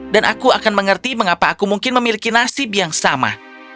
dan aku akan mengerti mengapa aku mungkin memiliki nasib yang sama